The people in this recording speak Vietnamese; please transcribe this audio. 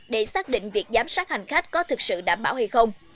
để xác định việc giám sát hành khách có thực sự đảm bảo hay không